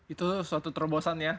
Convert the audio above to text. itu suatu terobosan ya